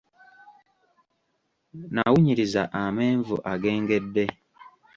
Nawunyiriza amenvu ag'engedde.